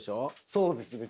そうですね。